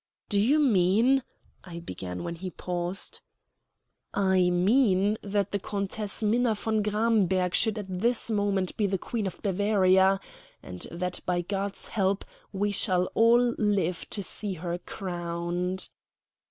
"Do you mean ?" I began when he paused. "I mean that the Countess Minna von Gramberg should at this moment be the Queen of Bavaria; and that by God's help we shall all live to see her crowned."